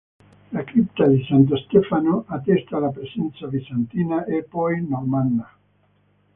La cripta di santo Stefano attesta la presenza bizantina e poi normanna.